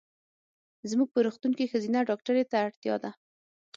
زمونږ په روغتون کې ښځېنه ډاکټري ته اړتیا ده.